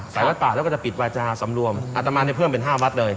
วัดป่าแล้วก็จะปิดวาจาสำรวมอัตมาเนี่ยเพิ่มเป็น๕วัดเลย